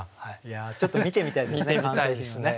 ちょっと見てみたいですね。